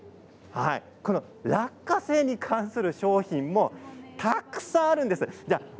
落花生に関する商品もたくさんあるんです。